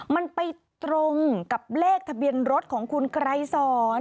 มันไปตรงกับเลขทะเบียนรถของคุณไกรสอน